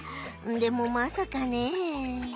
でもまさかね。